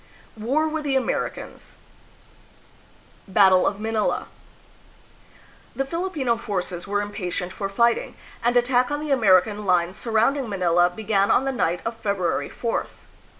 War with the Americans. Battle of Manila. The Filipino forces were impatient for fighting, and attack on the American lines surrounding Manila began on the night of February 4th.